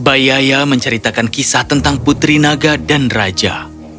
bayi aya menceritakan kisah tentang putri naga dan raja